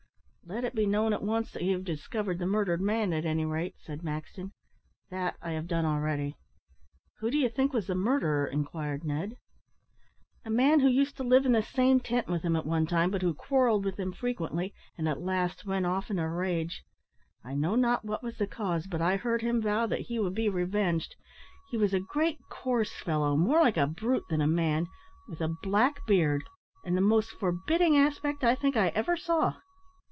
"Let it be known at once that you have discovered the murdered man at any rate," said Maxton. "That I have done already." "Who do you think was the murderer?" inquired Ned. "A man who used to live in the same tent with him at one time, but who quarrelled with him frequently, and at last went off in a rage. I know not what was the cause, but I heard him vow that he would be revenged. He was a great coarse fellow, more like a brute than a man, with a black beard, and the most forbidding aspect I think I ever saw."